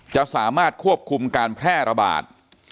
จะสามารถควบคุมการแพร่ระบาด